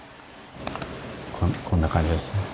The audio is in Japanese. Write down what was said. こんな感じですね。